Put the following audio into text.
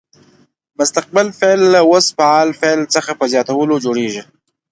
مستقبل فعل له اوس مهال فعل څخه په زیاتولو جوړیږي.